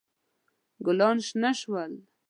ګلان شنه شول.